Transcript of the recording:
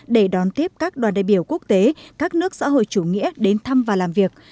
để đón tiếp các đoàn đại biểu quốc tế các nước xã hội chủ nghĩa đến thăm và làm việc